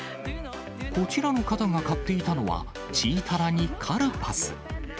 こちらの方が買っていたのは、チータラにカルパス。